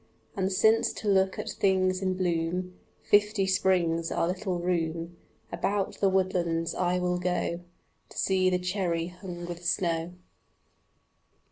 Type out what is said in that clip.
And since to look at things in bloom Fifty springs are little room, About the woodlands I will go To see the cherry hung with snow.